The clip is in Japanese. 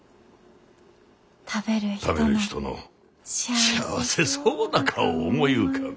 食べる人の幸せそうな顔を思い浮かべえ。